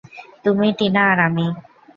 তুমি, টিনা আর আমি।